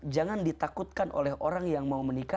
jangan ditakutkan oleh orang yang mau menikah